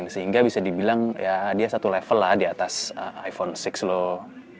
sehingga bisa dibilang ya dia satu level lah di atas iphone enam loh